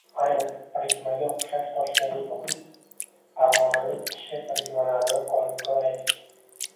Ayni birikmaga oʻxshash toshkentlik muxlis, fargʻonalik kishi birikmalarini olib koʻraylik